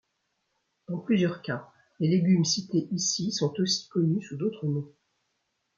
Dans plusieurs cas les légumes cités ici sont aussi connus sous d'autres noms.